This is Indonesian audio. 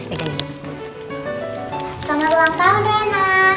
selamat ulang tahun reina